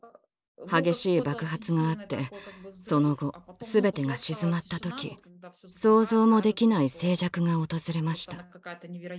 激しい爆発があってその後すべてが静まった時想像もできない静寂が訪れました。